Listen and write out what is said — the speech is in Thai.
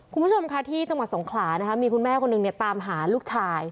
คุณผู้ชมค่ะที่จังหวัดสงขลานะคะมีคุณแม่คนหนึ่งเนี่ยตามหาลูกชาย